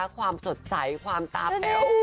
ความสดใสความตาแป๊ว